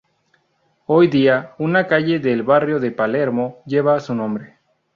Hoy día una calle del barrio de Palermo lleva su nombre.